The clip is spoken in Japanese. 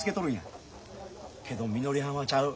けどみのりはんはちゃう。